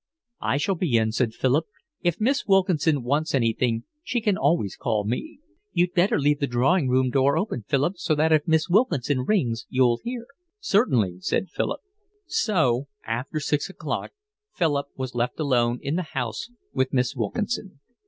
"I shall be in," said Philip. "If Miss Wilkinson wants anything, she can always call me." "You'd better leave the drawing room door open, Philip, so that if Miss Wilkinson rings, you'll hear." "Certainly," said Philip. So after six o'clock Philip was left alone in the house with Miss Wilkinson.